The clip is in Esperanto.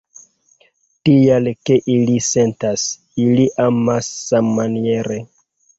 Tial ke ili sentas, ili amas sammaniere.